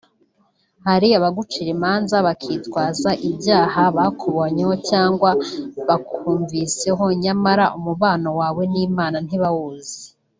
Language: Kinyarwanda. Hari abagucira imanza bakitwaza ibyaha bakubonyemo cyangwa bakumviseho nyamara umubano wawe n'Imana ntibawuzi